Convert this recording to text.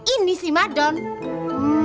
ini si madone